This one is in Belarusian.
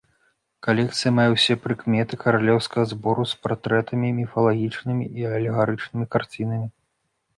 Калекцыя мае ўсе прыкметы каралеўскага збору з партрэтамі, міфалагічнымі і алегарычных карцінамі.